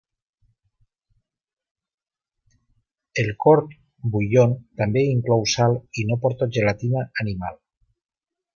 El "court bouillon" també inclou sal i no porta gelatina animal.